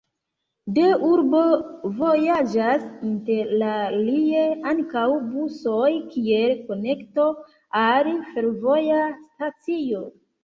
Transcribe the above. De urbo vojaĝas interalie ankaŭ busoj kiel konekto al fervoja stacio.